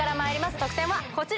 得点はこちら。